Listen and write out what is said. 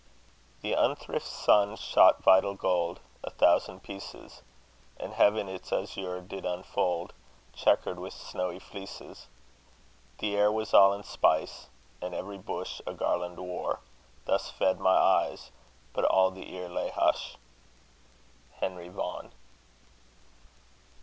The unthrift sunne shot vitall gold, A thousand pieces; And heaven its azure did unfold, Chequered with snowy fleeces. The air was all in spice, And every bush A garland wore: Thus fed my Eyes, But all the Eare lay hush. HENRY VAUGHAN.